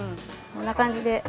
こんな感じで。